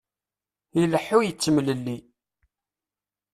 Ileḥḥu yettemlelli.